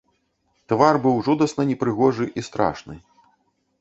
Твар быў жудасна непрыгожы і страшны.